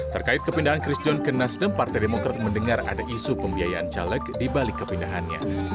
terkait kepindahan chris john ke nasdem partai demokrat mendengar ada isu pembiayaan caleg di balik kepindahannya